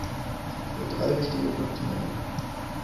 Ich will drei wichtige Punkte nennen.